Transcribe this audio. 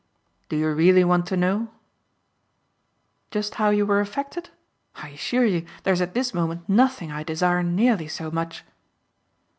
"Do you really want to know?" "Just how you were affected? I assure you there's at this moment nothing I desire nearly so much."